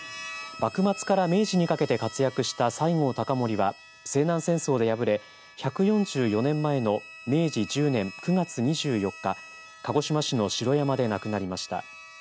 幕末から明治にかけて活躍した西郷隆盛は西南戦争で敗れ１４４年前の明治１０年９月２４日鹿児島市の城山で亡くなりました。